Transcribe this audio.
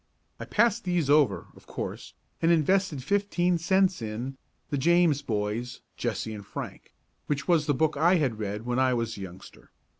I passed these over, of course, and invested fifteen cents in "The James Boys, Jesse and Frank," which was the book I had read when I was a youngster.